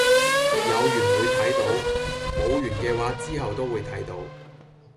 有緣會睇到，冇緣既話之後都會睇到